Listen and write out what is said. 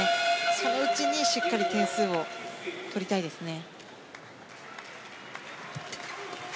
そのうちにしっかりと点数を取りたいですね。